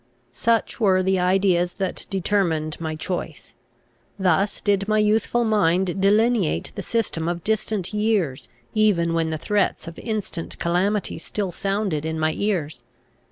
Such were the ideas that determined my choice. Thus did my youthful mind delineate the system of distant years, even when the threats of instant calamity still sounded in my ears.